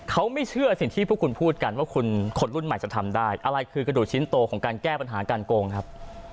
เขาไม่เชื่อสิ่งที่พวกคุณพูดกันว่าคนรุ่นใหม่จะทำได้อะไรคือกระดูกชิ้นโตของการแก้ปัญหาการโกงครับ